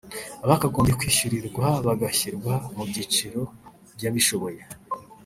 abakagombye kwishyurirwa bagashyirwa mu byiciro by’abishoboye